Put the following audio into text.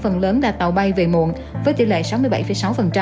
phần lớn là tàu bay về muộn với tỷ lệ sáu mươi bảy sáu